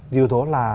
điều đó là